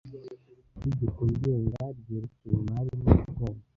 itegeko ngenga ryerekeye imari n umutungo